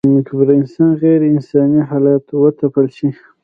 که پر انسان غېر انساني حالات وتپل سي